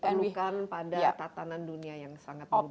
diperlukan pada tatanan dunia yang sangat berubah